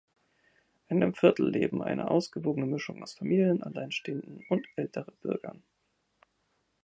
In dem Viertel lebt eine ausgewogene Mischung aus Familien, Alleinstehenden und älteren Bürgern.